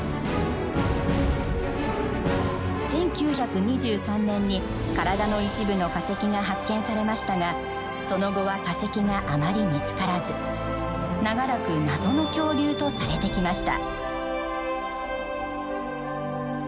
１９２３年に体の一部の化石が発見されましたがその後は化石があまり見つからず長らく謎の恐竜とされてきました。